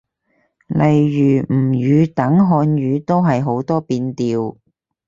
例如吳語等漢語，都係好多變調